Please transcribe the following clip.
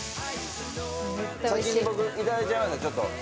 先に僕いただいちゃいますんで。